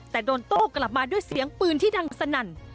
แต่โดนโต้กลับมาด้วยเสียงปืนที่ดังสนั่น